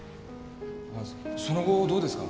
あその後どうですか？